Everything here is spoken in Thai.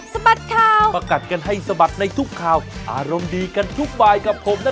สวัสดีครับ